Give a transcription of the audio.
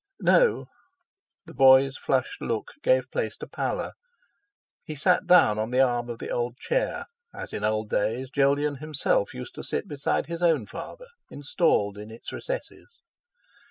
"No." The boy's flushed look gave place to pallor; he sat down on the arm of the old chair, as, in old days, Jolyon himself used to sit beside his own father, installed in its recesses.